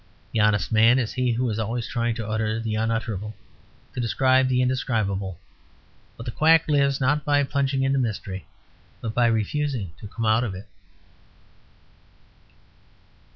The honest man is he who is always trying to utter the unutterable, to describe the indescribable; but the quack lives not by plunging into mystery, but by refusing to come out of it.